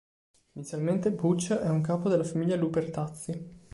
Inizialmente, Butch è un capo della Famiglia Lupertazzi.